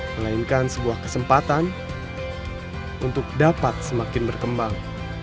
melainkan sebuah kesempatan untuk dapat semakin berkembang